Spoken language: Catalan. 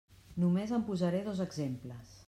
Només en posaré dos exemples.